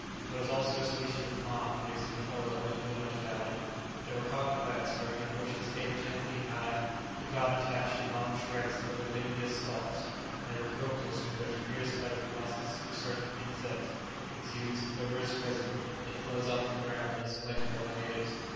There was also a species of palm producing an oil locally much valued; there were cotton plants growing in bushes eight or ten feet high, the cotton attached in long shreds to the ligneous stalks; and there were copals from which, pierced by the proboscis of certain insects, exudes an odorous resin that flows on to the ground and is collected by the natives.